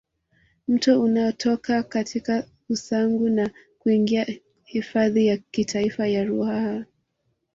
Mto unatoka katika Usangu na kuingia hifadhi ya kitaifa ya Ruaha